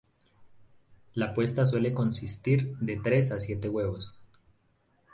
La puesta suele consistir de tres a siete huevos.